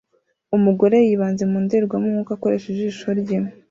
Umugore yibanze mu ndorerwamo nkuko akoresha ijisho rye